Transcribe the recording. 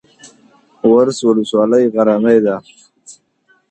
ورس ولسوالۍ غرنۍ ده؟